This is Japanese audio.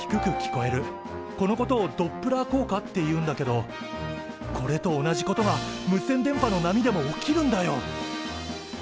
このことをドップラー効果っていうんだけどこれと同じことが無線電波の波でも起きるんだよ。